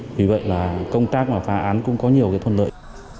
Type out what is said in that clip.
vì vậy là công tác mà phá án cũng có nhiều cái thuận lợi